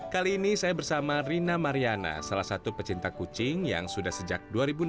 kali ini saya bersama rina mariana salah satu pecinta kucing yang sudah sejak dua ribu enam belas